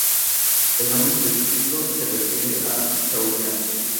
El nombre específico se refiere a Chaoyang.